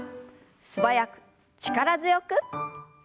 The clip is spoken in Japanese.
素早く力強く。